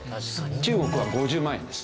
中国は５０万円です。